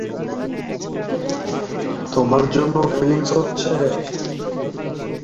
সিরাজুল ইসলাম ও তার দলের সহযোদ্ধারা এতে দমে যাননি।